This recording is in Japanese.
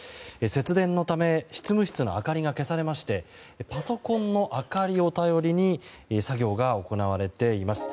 節電のため執務室の明かりが消されましてパソコンの明かりを頼りに作業が行われています。